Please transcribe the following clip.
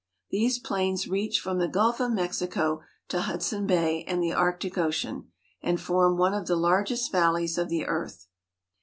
These plains reach from the Gulf of Mexico to Hudson Bay and the Arctic Ocean, and form one of the largest valleys of the earth.